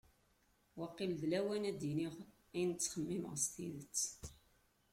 Waqil d lawan ad d-iniɣ ayen ttxemmimeɣ s tidet.